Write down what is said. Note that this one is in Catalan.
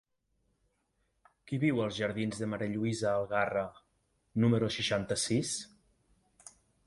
Qui viu als jardins de Ma. Lluïsa Algarra número seixanta-sis?